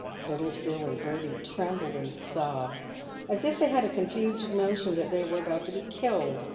Little Phil and Bertie trembled and sobbed as if they had a confused notion that they were about to be killed.